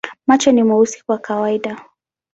Macho ni meusi kwa kawaida.